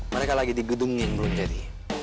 mereka lagi di gedung yang belum jadi